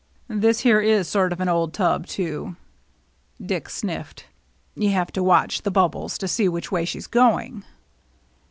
" This here is sort of an old tub, too." Dick sniffed. "You have to watch the bubbles to see which way she's going."